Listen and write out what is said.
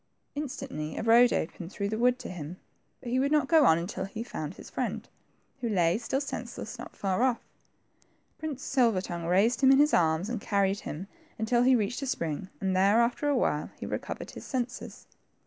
'' Instantly a road opened through the wood to him, but he would not go on unfil he had found his friend, who lay, still senseless, not far off. Prince Silver tongue raised him in his arms and carried him until he reached a spring, and there, after a while, he recovered his senses.